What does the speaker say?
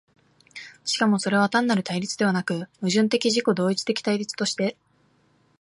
しかもそれは単なる対立ではなく、矛盾的自己同一的対立として、